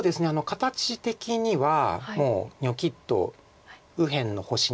形的にはもうニョキッと右辺の星にですね